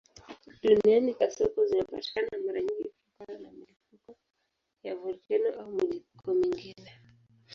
Duniani kasoko zinapatikana mara nyingi kutokana na milipuko ya volkeno au milipuko mingine.